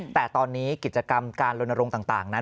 แต่ตอนนี้กิจกรรมการลนรงค์ต่างนั้น